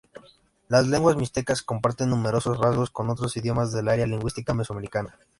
Las lenguas mixtecas comparten numerosos rasgos con otros idiomas del área lingüística mesoamericana.